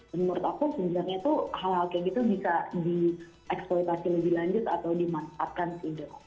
menurut aku sebenarnya tuh hal hal kayak gitu bisa dieksploitasi lebih lanjut atau dimanfaatkan gitu